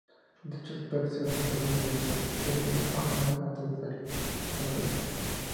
Dichos packs se agotaron mediante reserva on-line antes de salir a la venta.